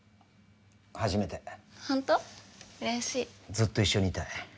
ずっと一緒にいたい。